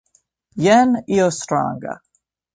Jen io stranga.